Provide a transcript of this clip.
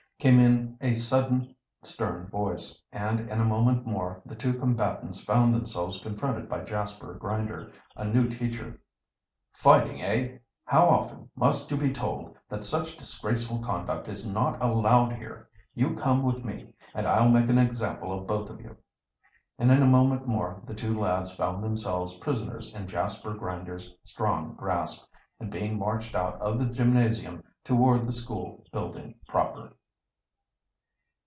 came in a sudden stern voice, and in a moment more the two combatants found themselves confronted by Jasper Grinder, a new teacher. "Fighting, eh? How often, must you be told that such disgraceful conduct is not allowed here? You come with me, and I'll make an example of both of you." And in a moment more the two lads found themselves prisoners in Jasper Grinder's strong grasp and being marched out of the gymnasium toward the school building proper.